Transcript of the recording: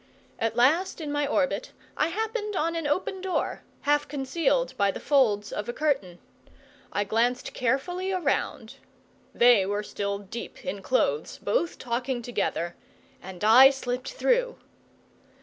At last in my orbit I happened on an open door, half concealed by the folds of a curtain. I glanced carefully around. They were still deep in clothes, both talking together, and I slipped through.